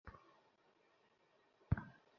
কোথায় গেলে তুমি?